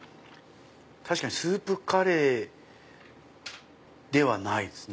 確かにスープカレーではないですね。